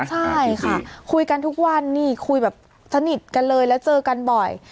ใช่ค่ะคุยกันทุกวันนี่คุยแบบสนิทกันเลยแล้วเจอกันบ่อย